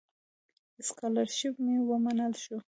سکالرشیپ مې ومنل شو.